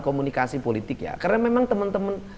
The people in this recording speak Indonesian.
komunikasi politik ya karena memang teman teman